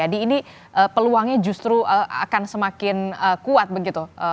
jadi ini peluangnya justru akan semakin kuat begitu